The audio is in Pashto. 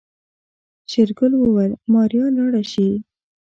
شېرګل وويل ماريا لاړه شي.